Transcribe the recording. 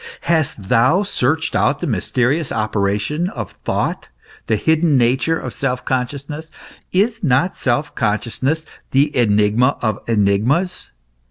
Hast thou searched out the mysterious operation of thought, the hidden nature of self consciousness ? Is not self consciousness the enigma of enigmas